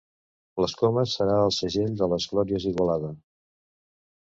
Les Comes serà el segell de tes glòries, Igualada!